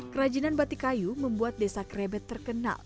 kerajinan batik kayu membuat desa krebet terkenal